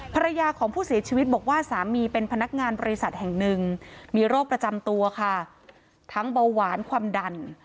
ภรรยาของผู้เสียชีวิตบอกว่าสามีเป็นพนักงานบริษัทแห่งหนึ่งมีโรคประจำตัวค่ะทั้งเบาหวานความดัน